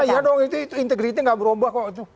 iya ya dong itu integritnya gak berubah kok itu